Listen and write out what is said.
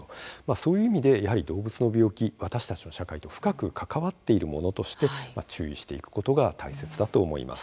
そういう意味で動物の病気私たちの社会と深く関わっているものとして注意していくことが大切だと思います。